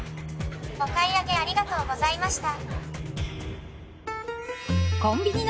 「お買い上げありがとうございました」。